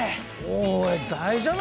おい！